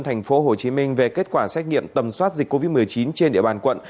thành phố hồ chí minh về kết quả xét nghiệm tầm soát dịch covid một mươi chín trên địa bàn quận